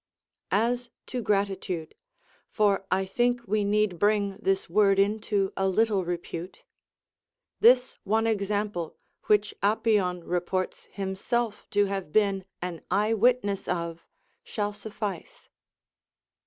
As to gratitude (for I think we need bring this word into a little repute), this one example, which Apion reports himself to have been an eye witness of, shall suffice.